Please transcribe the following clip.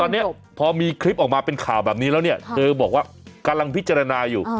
ตอนนี้พอมีคลิปออกมาเป็นข่าวแบบนี้แล้วเนี่ยเธอบอกว่ากำลังพิจารณาอยู่